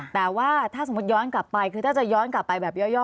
แต่ถ้าจะย้อนกลับไปแบบเยาว์